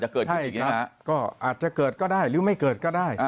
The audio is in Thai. ใช่ครับก็อาจจะเกิดก็ได้หรือไม่เกิดก็ได้